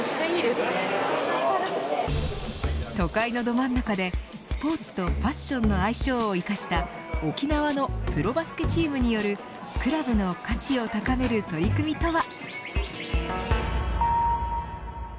都会のど真ん中でスポーツとファッションの相性を生かした沖縄のプロバスケチームによるクラブの価値を高める取り組みとは。